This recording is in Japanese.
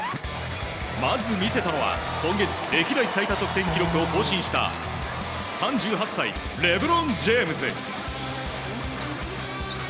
まず見せたのは今月歴代最多得点記録を更新した３８歳、レブロン・ジェームズ。